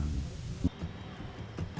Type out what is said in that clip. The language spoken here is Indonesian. yang mereka dikalahkan oleh jepang